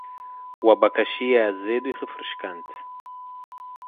O abacaxi é azedo e refrescante.